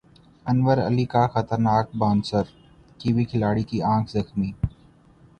انور علی کا خطرناک bouncer Kiwi کھلاڑی کی نکھ زخمی